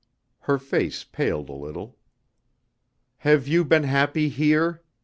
Her face paled a little. "Have you been happy here?"